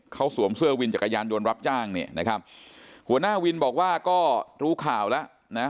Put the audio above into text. เขาสวมเสื้อวินจักรยานยนต์รับจ้างหัวหน้าวินบอกว่าก็รู้ข่าวแล้ว